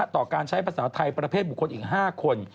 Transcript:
ต่อการใช้ภาษาไทยประเภทบุคคลอีก๕คน